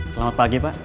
selamat pagi pak